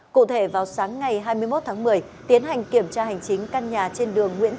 cụ thể vào sáng ngày hai mươi một tháng một mươi tiến hành kiểm tra hành chính căn nhà trên đường nguyễn